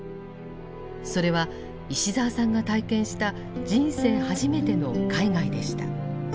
それは石澤さんが体験した人生初めての海外でした。